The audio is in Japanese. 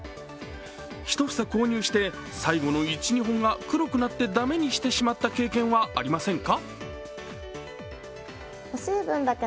１房購入して最後の１２本が黒くなって駄目にしてしまった経験はありませんか？